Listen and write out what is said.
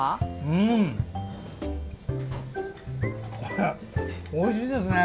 うん、おいしいですね！